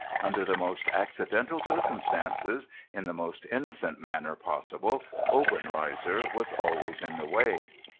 Under the most accidental circumstances, in the most innocent manner possible, Obenreizer was always in the way.